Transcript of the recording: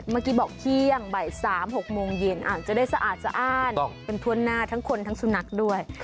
เมื่อกี้บอกเที่ยงบ่าย๓๖โมงเย็นจะได้สะอาดสะอ้านกันทั่วหน้าทั้งคนทั้งสุนัขด้วย